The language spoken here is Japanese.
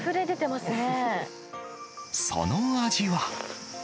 その味は。